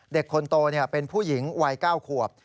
เด็กคนโตเป็นผู้หญิงวัย๙ขวบ